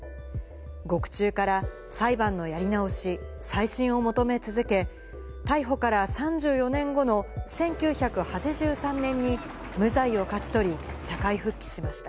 獄中から裁判のやり直し・再審を求め続け、逮捕から３４年後の１９８３年に無罪を勝ち取り、社会復帰しました。